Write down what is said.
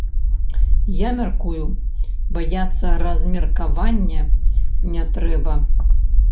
Я мяркую, баяцца размеркавання не трэба.